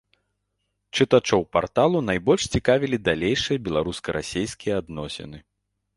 Чытачоў парталу найбольш цікавілі далейшыя беларуска-расейскія адносіны.